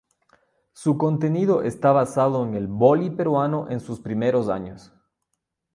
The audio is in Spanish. Su contenido está basado en el voley peruano en sus primeros años.